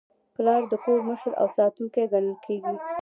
پلار د کور مشر او ساتونکی ګڼل کېږي.